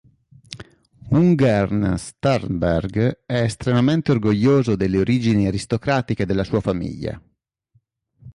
Ungern-Sternberg è estremamente orgoglioso delle origini aristocratiche della sua famiglia.